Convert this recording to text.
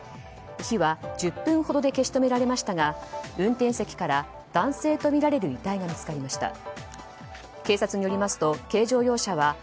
火は１０分ほどで消し止められましたが運転席から男性とみられる遺体が見つかりました。